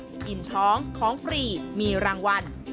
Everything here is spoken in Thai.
อิ่มท้องของฟรีมีรางวัล